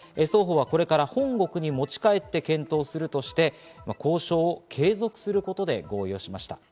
双方はこれから本国に持ち帰って検討するとして、交渉を継続することで合意しました。